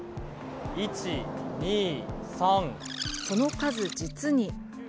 その数実に。